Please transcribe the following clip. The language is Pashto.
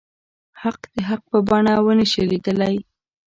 حق د حق په بڼه ونه شي ليدلی.